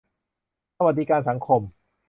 สวัสดิการสังคม